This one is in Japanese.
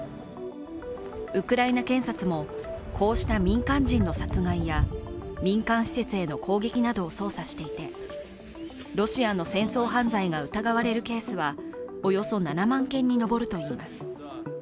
ウクライナ検察もこうした民間人の殺害や民間施設への攻撃などを捜査していて、ロシアの戦争犯罪が疑われるケースはおよそ７万件に上るといいます。